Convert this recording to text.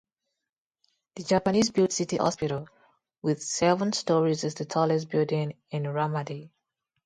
The Japanese-built city hospital, with seven storeys, is the tallest building in Ramadi.